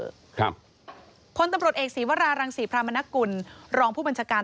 ครับคนตำรวจเอกศีวรารังศรีพรามนกุลรองผู้บัญชาการ